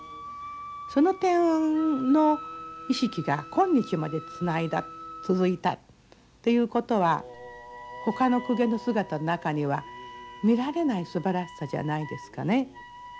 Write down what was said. その点の意識が今日までつないだ続いたっていうことはほかの公家の姿の中には見られないすばらしさじゃないですかね。